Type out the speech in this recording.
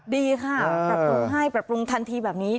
ดีค่ะปรับปรุงให้ปรับปรุงทันทีแบบนี้